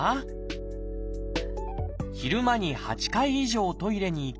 昼間に８回以上トイレに行く。